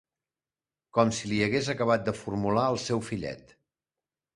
Com si l'hi hagués acabat de formular el seu fillet.